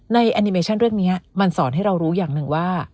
แอนิเมชั่นเรื่องนี้มันสอนให้เรารู้อย่างหนึ่งว่า